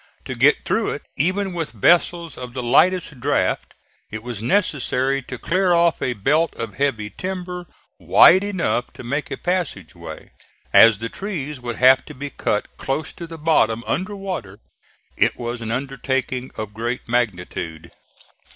To get through it, even with vessels of the lightest draft, it was necessary to clear off a belt of heavy timber wide enough to make a passage way. As the trees would have to be cut close to the bottom under water it was an undertaking of great magnitude.